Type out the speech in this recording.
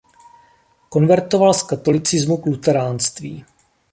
Konvertoval z katolicismu k luteránství.